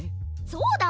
そうだ！